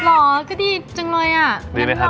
โอ๊ยหรอก็ดีจังเลยอ่ะดีไหมครับ